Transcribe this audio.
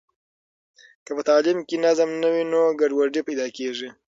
که په تعلیم کې نظم نه وي نو ګډوډي پیدا کېږي.